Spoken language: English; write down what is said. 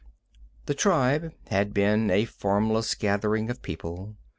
The tribe had been a formless gathering of people.